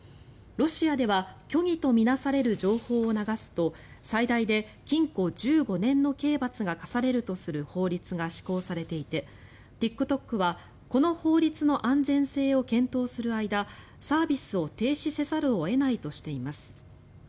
ロシアでは虚偽と見なされる情報を流すと最大で禁錮１５年の刑罰が科されるとする法律が施行されていてＴｉｋＴｏｋはこの法律の安全性を検討する間サービスを停止せざるを得ないとしています。